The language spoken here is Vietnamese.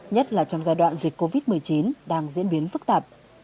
nhất là trong giai đoạn dịch covid một mươi chín đang diễn biến phức tạp